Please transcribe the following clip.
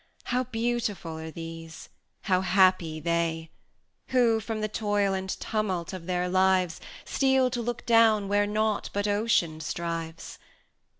How beautiful are these! how happy they, Who, from the toil and tumult of their lives, Steal to look down where nought but Ocean strives!